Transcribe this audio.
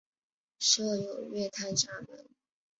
设有月台闸门。